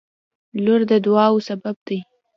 • لور د دعاوو سبب وي.